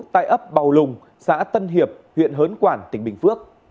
tại ấp bào lùng xã tân hiệp huyện hớn quản tỉnh bình phước